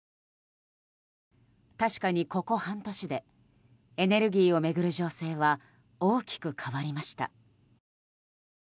確かにここ半年でエネルギーを巡る情勢は大きく変わりました。